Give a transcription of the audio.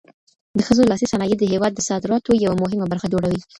د ښځو لاسي صنایع د هېواد د صادراتو یوه مهمه برخه جوړوي